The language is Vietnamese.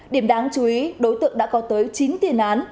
điểm đáng chú ý đối tượng đã có tới chín tiền án